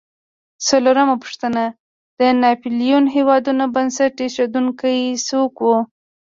څلورمه پوښتنه: د ناپېیلو هېوادونو بنسټ ایښودونکي څوک و؟